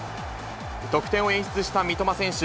得点を演出した三笘選手。